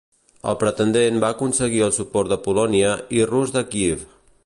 El pretendent va aconseguir el suport de Polònia i Rus de Kíev.